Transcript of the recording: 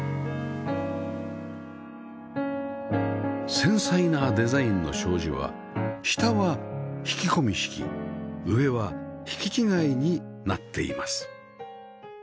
繊細なデザインの障子は下は引き込み式上は引き違いになっています